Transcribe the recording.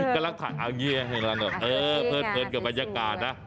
กำลังพเลิศกับอย่างนั้นพัดไปบรรยากาศนะ